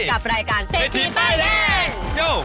กับรายการเชธิบ้ายแดง